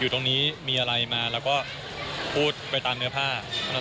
อยู่ตรงนี้มีอะไรมาแล้วก็พูดไปตามเนื้อผ้า